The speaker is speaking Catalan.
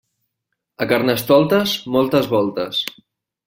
A Carnestoltes, moltes voltes.